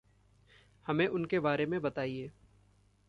हमें उनके बारे में बताइये।